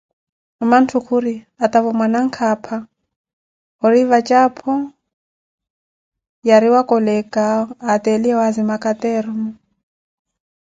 Mamanthu khuri, atavo mwananka âpha ori vatje aphô, yariwa colecawo ateliye waazima caternu.